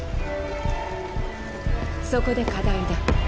そこで課題だ。